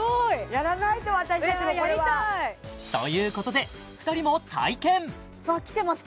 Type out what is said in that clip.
やらないと私たちはこれはやりたい！ということで２人も体験わっきてます